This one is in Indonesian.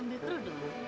ambil kru dong